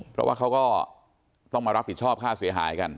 เพราะว่าเขาก็ต้องมารับผิดชอบค่าเสียหายกัน